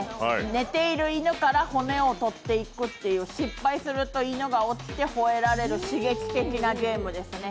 寝ている犬から骨を取っていくっていう、失敗すると犬が起きてほえられる刺激的なゲームですね。